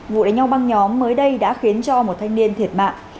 vụ đánh nhau băng nhóm mới đây đã khiến cho một thanh niên thiệt mạng